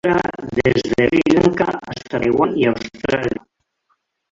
Se encuentra desde Sri Lanka hasta Taiwán y Australia.